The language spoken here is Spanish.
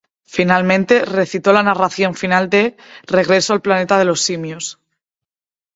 Finalmente, recitó la narración final de "Regreso al Planeta de los Simios".